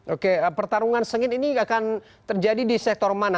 oke pertarungan sengit ini akan terjadi di sektor mana